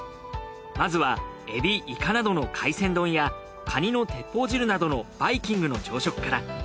まずはエビイカなどの海鮮丼やカニのてっぽう汁などのバイキングの朝食から。